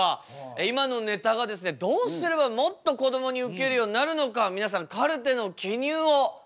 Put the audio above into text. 今のネタがですねどうすればもっとこどもにウケるようになるのか皆さんカルテの記入をお願いしたいと思います。